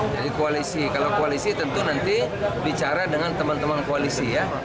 jadi koalisi kalau koalisi tentu nanti bicara dengan teman teman koalisi ya